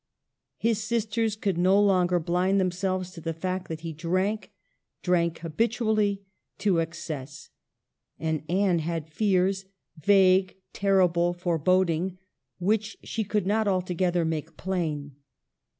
His sisters could no longer blind themselves to the fact that he drank, drank habitually, to excess. And Anne had fears — vague, terrible, forebod ing — which she could not altogether make plain.